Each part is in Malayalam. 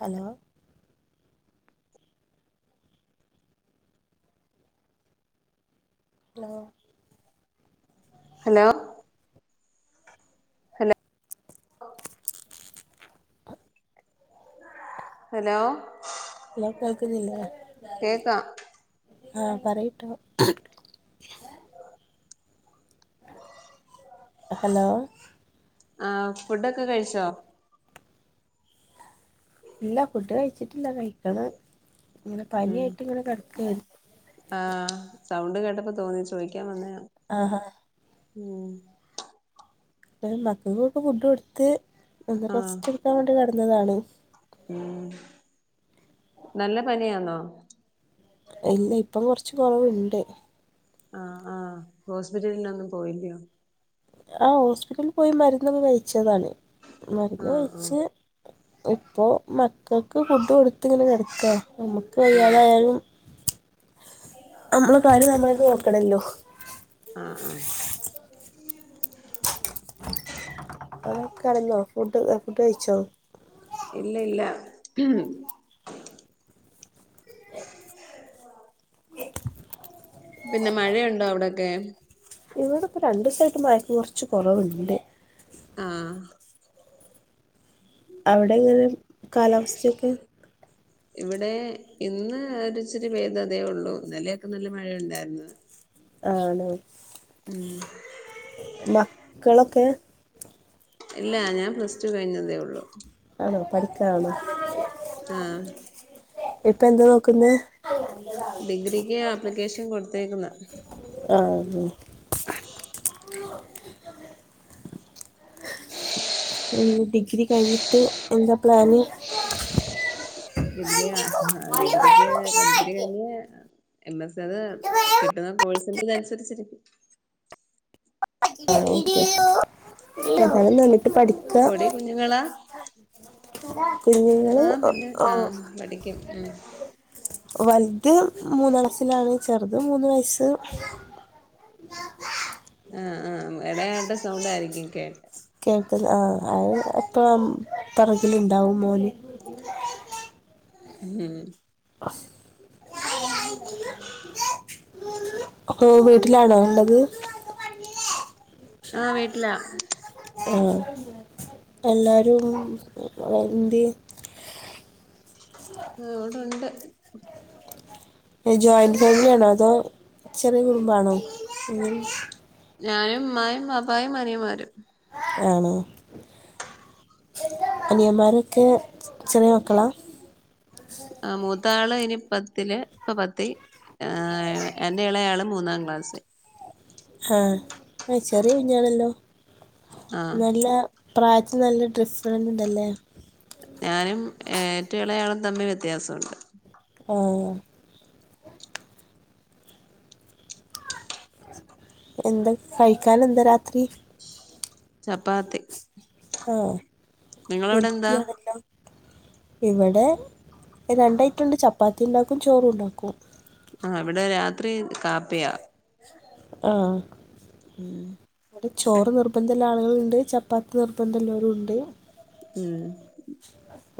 Hello hello hello hello hello hello കേൾക്കുന്നില്ലെ, കേക്കാം ആഹ് പറയിട്ടോ. ഹലോ ആഹ് ഫുഡൊക്കെ കഴിച്ചോ? ഇല്ല ഫുഡ് കഴിച്ചിട്ടില്ല കഴിക്കണം ഇങ്ങനെ പനിയായിട്ടിങ്ങനെ കെടക്കാണ്. ആഹ് സൗണ്ട് കേട്ടപ്പ തോന്നി ചോയിക്കാൻ വന്നെയാണ്. ആഹ്ഹാ. ഉം. പിന്നെ മക്കക്കൊക്കെ ഫുഡ് കൊടുത്ത് ഒന്നു ആ റസ്റ്റ് എടുക്കാൻ വേണ്ടി കെടന്നതാണ്. ഉം നല്ല പനിയാന്നോ? ഇല്ല ഇപ്പം കൊറച്ച് കൊറവ്ണ്ട്. ആഹ് ആഹ് ഹോസ്പിറ്റൽനൊന്നും പോയില്ലിയോ? ആഹ് ഹോസ്പിറ്റലിൽ പോയി മരുന്നൊക്കെ കഴിച്ചതാണ്, ആ മരുന്ന് ആ കഴിച്ച് ഇപ്പൊ മക്കൾക്ക് ഫുഡ് കൊടുത്ത് ഇങ്ങനെ കിടക്കാ. നമ്മുക്ക് ഉം വയ്യാതായാലും നമ്മളെ കാര്യം നമ്മളെന്നെ നോക്കണല്ലോ. ആഹ് ആഹ്. അവ്ടെ കെടന്നോ ഫുഡ് അ ഫുഡ് കഴിച്ചോ? ഇല്ല ഇല്ല. പിന്നെ മഴയുണ്ടോ അവിടൊക്കെ? ഇവടെ പ്പോ രണ്ടൂസായിട്ട് മയക്ക് കൊറച്ച് കൊറവ്ണ്ട്. ആഹ് അവ്ടെ എങ്ങനെ കാലാവസ്ഥെക്കെ? ഇവടെ ഇന്ന് ഒരിച്ചിരി പെയ്തതേ ഒള്ളു ഇന്നലയൊക്കെ നല്ല മഴയുണ്ടായ്ര്ന്ന്. ആണോ. ഉം. മക്കളാക്കെ? ഇല്ലാ ഞാൻ പ്ലസ് ടൂ കയിഞ്ഞതേ ഒള്ളു. ആണോ പഠിക്കാണോ ആ ഇപ്പ എന്താ നോക്ക്ന്നെ? ഡിഗ്രിക്ക് ആപ്ലിക്കേഷൻ കൊട്ത്തേക്ക്ന്ന്. ആന്നൊ. ഉം ഡിഗ്രി കയിഞ്ഞ്ട്ട് എന്താ പ്ലാന്? ഡിഗ്രി അ ഡിഗ്രിക്ക് ഡിഗ്രി കയിഞ്ഞ് എം എസ് അത് കിട്ട്ന്നാ കോഴ്സിന്റെ ഇത് അന്സരിച്ചിരിക്കും [unintelligible] നന്നിട്ട് പഠി പെടി കുഞ്ഞ്ങ്ങളാ കൂഞ്ഞ്ങ്ങള് ആ പിന്നെ ഒ ഓ ആ പഠിക്കും ഉം വല്ത് മൂന്നാം ക്ലാസിലാണ് ചെറുത് മൂന്ന് വയസ്സ് ആഹ് ആഹ് എയാള്ടെ സൗണ്ടാരിക്കും കേട്ടെ കേക്ക്ന്നാ ആഹ് അത് ഇപ്പ പെറകില് ഇണ്ടാവും മോന് ഉം അസ് അപ്പേ വീട്ടിലാണോ ഇള്ളത് ആഹ് വീട്ടില്ലാ ആഹ് എല്ലാരും എന്തിയോ ആഹ് ഇവടെ ഒണ്ട് ജോയിന്റ് ഫാമില് ആണോ അതോ ചെറിയ കുടുംബാണോ ഞാനും ഉമ്മായും ബാപ്പായും അറിയാൻമ്മരും ആണോ അനിയൻമാരോക്കെ ചെറിയ മക്കളാ ആഹ് മൂത്താള് ഇനി പത്തില് ഇപ്പാ പത്ത് ആഹ് എന്റെ എളയാള് മൂന്നാം ക്ലാസി ആഹ് ആഹ് ചെറിയ കുഞ്ഞാണാല്ലോ ആ നല്ലാ പ്രായത്തിൽ നല്ലാ ഡ്രിഫൻ ഇണ്ടല്ലേ ഞാനും ഏറ്റോം എളയാളും തമ്മി വ്യത്യാസോണ്ട് ആഹ് എന്താ കയിക്ക്യാൻ എന്താ രാത്രി ചപ്പാത്തി ആഹ് നിങ്ങളവിടെ എന്താ ഹെൽത്തിയാണല്ലോ ഇവടെ രണ്ട് ഐറ്റം ഒണ്ട് ചപ്പാത്തി ഇണ്ടാക്കും ചോറും ഒണ്ടാക്കും ആഹ് ഇവടെ രാത്രി കാപ്പിയാ ആഹ് ഉം ഇവടെ ചോറ് നിർബന്ധൊള്ള ആള്കളോണ്ട് ചപ്പാത്തി നിർബന്ധേള്ളാവരും ഒണ്ട് ഉം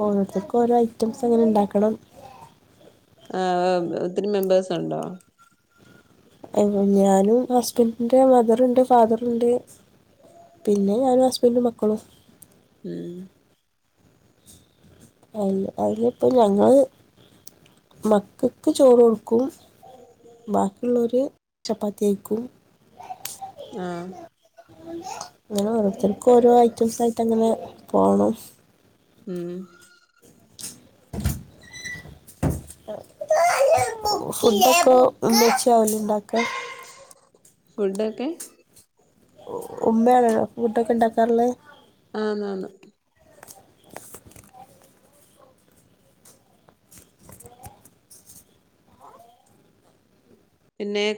ഓരോരുത്തർക്കും ഓരോ ഐറ്റംസ് അങ്ങനെ ഉണ്ടാക്കണം ആഹ് ഒത്തിരി മെമ്പേഴ്സ് ഉണ്ടോ ഞാനും ഹസ്ബൻഡന്റെ മദറുണ്ട് ഫാദറുണ്ട് പിന്നെ ഞാനും ഹസ്ബൻ്റ് ഉം മക്കളും ഉം അ അതിനി ഇപ്പ ഞങ്ങൾ മക്കക്ക് ചോറ് കൊടുക്കും ക്കും ബാക്കിയുള്ളർ ചപ്പാത്തി കഴിക്കും ആഹ് അങ്ങനെ ഓരോരുത്തർക്കും ഓരോ ഐറ്റംസായിട്ട് അങ്ങനെ പോണം ഉം ഫുഡൊക്കെ ഉമ്മച്ചി ആവലുണ്ടാക്ക ഫുഡൊക്കെ ഉമ്മയാണോ ഫുഡോക്കേ ഉണ്ടാകാറുള്ളത് ആണ് ആണ് പിന്നെത്തെക്കെ